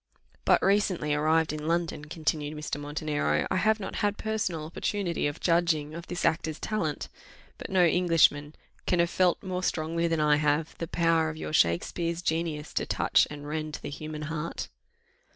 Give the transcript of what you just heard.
"But recently arrived in London," continued Mr. Montenero, "I have not had personal opportunity of judging of this actor's talent; but no Englishman can have felt more strongly than I have, the power of your Shakspeare's genius to touch and rend the human heart."